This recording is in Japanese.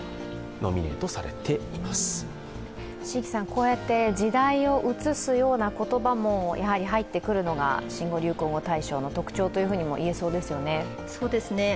こうやって時代を映すような言葉も入ってくるのが新語・流行語大賞の特徴とも言えそうですよね。